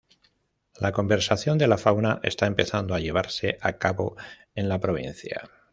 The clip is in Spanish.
La conservación de la fauna está empezando a llevarse a cabo en la provincia.